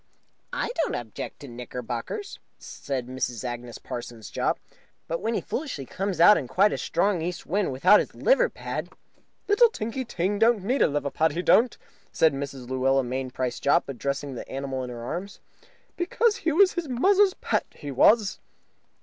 "I don't object to the knickerbockers," said Mrs. Agnes Parsons Jopp, "but when he foolishly comes out in quite a strong east wind without his liver pad " "Little Tinky Ting don't need no liver pad, he don't," said Mrs. Luella Mainprice Jopp, addressing the animal in her arms, "because he was his muzzer's pet, he was."